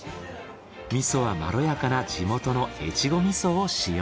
味噌はまろやかな地元の越後味噌を使用。